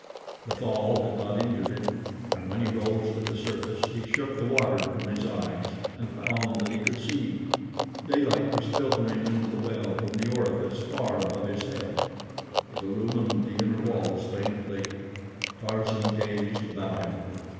The fall had not injured him, and when he rose to the surface, he shook the water from his eyes, and found that he could see. Daylight was filtering into the well from the orifice far above his head. It illumined the inner walls faintly. Tarzan gazed about him.